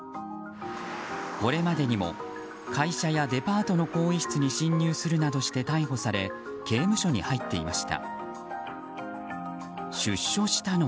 これまでにも会社やデパートの更衣室に侵入するなどして逮捕され刑務所に入っていました。